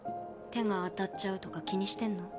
手が当たっちゃうとか気にしてんの？